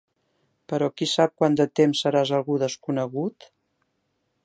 Però qui sap quant de temps seràs algú desconegut?